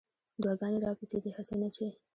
دعاګانې راپسې دي هسې نه چې